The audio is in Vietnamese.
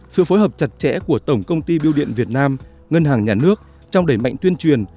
sự phối hợp chặt chẽ của tổng công ty biêu điện việt nam ngân hàng nhà nước trong đẩy mạnh tuyên truyền